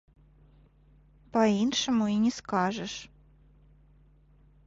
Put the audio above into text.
Па-іншаму і не скажаш!